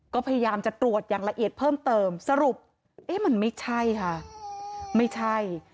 ก็พยายามจะตรวจอย่างละเอียดเพิ่มเติมสรุปเอ๊ะมันไม่ใช่ค่ะไม่ใช่